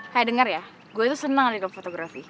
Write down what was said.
kaya denger ya gue tuh senang ada di klub fotografi